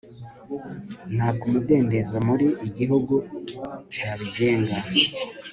Ntabwo umudendezo muri igihugu cyabigenga